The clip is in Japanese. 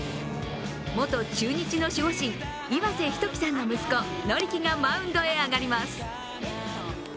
元中日の守護神、岩瀬仁紀さんの息子、法樹がマウンドに上がります。